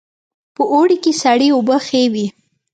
په اوړي کې سړې اوبه ښې وي